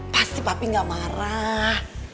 pasti papi gak marah